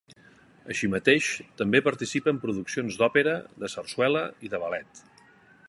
Així mateix, també participa en produccions d'òpera, de sarsuela i de ballet.